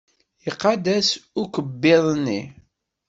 Iqadd-as ukebbiḍ-nni?